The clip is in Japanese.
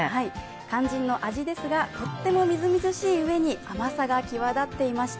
肝心の味ですが、とってもみずみずしいうえに甘さが際立っていました。